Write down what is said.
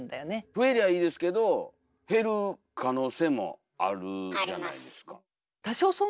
増えりゃいいですけど減る可能性もあるじゃないですか。